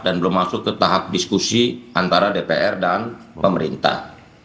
dan belum masuk ke tahap diskusi antara dpr dan pemerintah